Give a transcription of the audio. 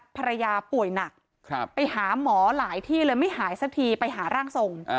ภรรยาป่วยหนักไปหาหมอหลายที่เลยไม่หายสักทีไปหาร่างทรง